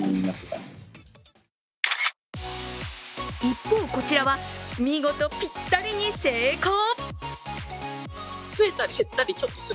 一方、こちらは見事ぴったに成功！